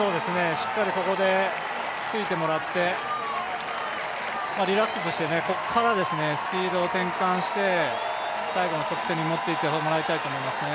しっかりここでついてもらって、リラックスしてここからスピードを転換して最後の直線に持っていってもらいたいと思いますね。